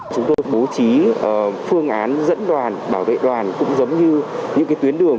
chúng tôi bố trí phương án dẫn đoàn bảo vệ đoàn cũng giống như những tuyến đường